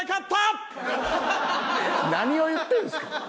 大西さん何を言ってるんですか？